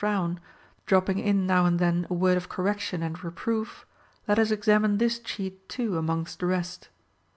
124 HOW TO KNOW A FLATTERER dropping in now and then a word of correction and re proof, let us examine this cheat too amongst the rest.